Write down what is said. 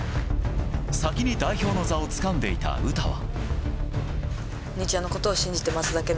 先に代表の座をつかんでいた詩は。